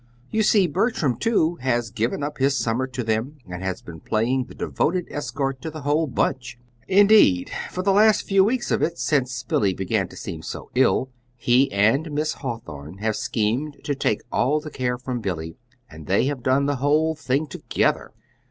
You see Bertram, too, has given up his summer to them, and has been playing the devoted escort to the whole bunch. Indeed, for the last few weeks of it, since Billy began to seem so ill, he and Miss Hawthorn have schemed to take all the care from Billy, and they have done the whole thing together."